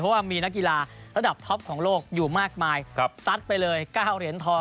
เพราะว่ามีนักกีฬาระดับท็อปของโลกอยู่มากมายซัดไปเลย๙เหรียญทอง